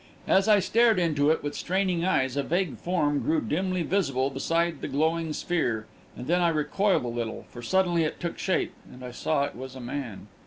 As I stared into it, with straining eyes, a vague form grew dimly visible beside the glowing sphere; and then I recoiled a little, for suddenly it took shape and I saw it was a man.